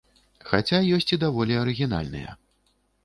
Хаця, ёсць і даволі арыгінальныя.